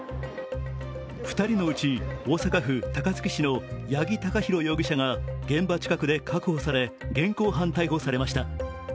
２人のうち、大阪府高槻市の八木貴寛容疑者が現場近くで確保され現行犯逮捕されました。